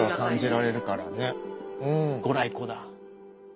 御来光だ。